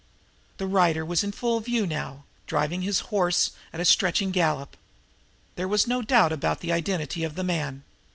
The rider was in full view now, driving his horse at a stretching gallop. There was no doubt about the identity of the man.